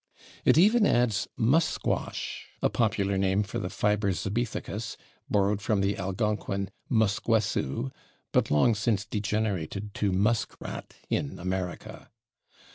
It even adds /musquash/, a popular name for the /Fiber zibethicus/, borrowed from the Algonquin /muskwessu/ but long since degenerated to /musk rat/ in America.